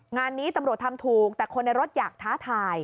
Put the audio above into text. งานนี้ตำรวจทำถูกแต่คนในรถอยากท้าทาย